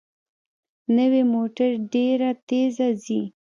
نوې موټر ډېره تېزه ځي